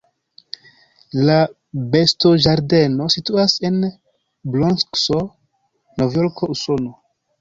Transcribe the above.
La bestoĝardeno situas en Bronkso, Novjorko, Usono.